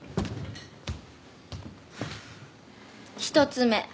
１つ目。